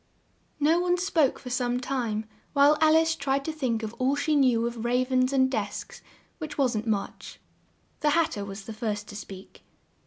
No one spoke for some time, while Al ice tried to think of all she knew of rav ens and desks, which wasn't much. The Hat ter was the first to speak.